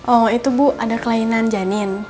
oh itu bu ada kelainan janin